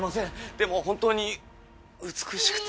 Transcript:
でも本当に美しくて。